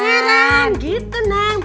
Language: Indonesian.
pangeran gitu neng